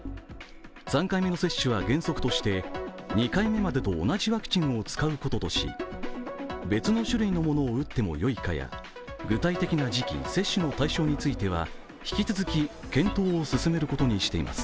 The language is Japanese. ３回目の接種は原則として２回目までと同じワクチンを使うこととし別の種類のものを打ってもよいかや具体的な時期、接種の対象については引き続き検討を進めることにしています。